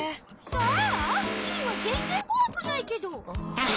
そう？キイはぜんぜんこわくないけど。